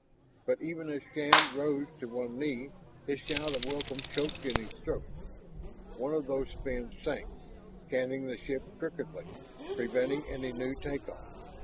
But even as Shann rose to one knee, his shout of welcome choked in his throat. One of those fins sank, canting the ship crookedly, preventing any new take off.